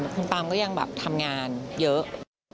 คุณตามก็ยังแบบทำงานเยอะ